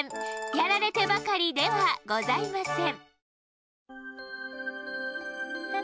やられてばかりではございません。